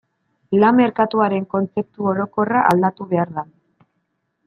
Lan merkatuaren kontzeptu orokorra aldatu behar da.